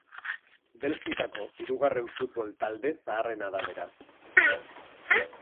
Belgikako hirugarren futbol talde zaharrena da beraz.